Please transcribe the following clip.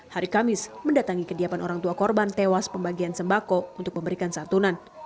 hari kamis mendatangi kediaman orang tua korban tewas pembagian sembako untuk memberikan santunan